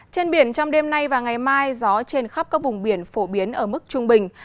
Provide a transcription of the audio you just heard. trên biển trong đêm nay và ngày mai gió trên khắp các vùng biển phổ biến ở mức trung bình